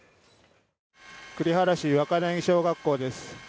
栗原市・若柳小学校です。